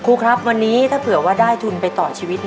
ครับวันนี้ถ้าเผื่อว่าได้ทุนไปต่อชีวิต